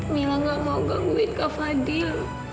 mila gak mau gangguin ka fadil